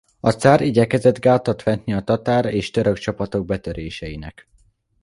A cár igyekezett gátat vetni a tatár és török csapatok betöréseinek.